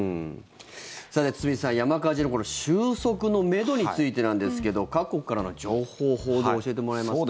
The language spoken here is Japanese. さて堤さん、山火事の収束のめどについてなんですけど各国からの情報、報道教えてもらえますか。